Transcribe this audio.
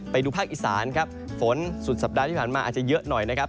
ไปดูภาคอีสานครับฝนสุดสัปดาห์ที่ผ่านมาอาจจะเยอะหน่อยนะครับ